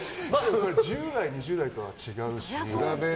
１０代２０代とは違うし。